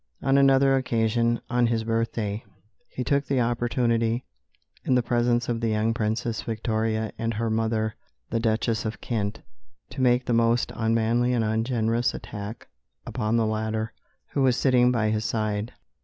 On another occasion, on his birthday, he took the opportunity, in the presence of the young Princess Victoria and her mother, the Duchess of Kent, to make the most unmanly and ungenerous attack upon the latter, who was sitting by his side.